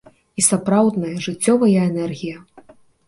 І сапраўдная жыццёвая энергія.